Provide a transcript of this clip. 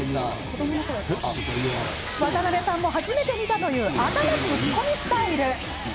渡邉さんも初めて見たという頭突っ込みスタイルでした。